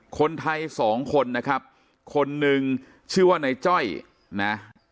คนไทยสองคนนะครับคนหนึ่งชื่อว่าในจ้อยนะ